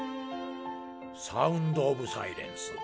「サウンドオブサイレンス」。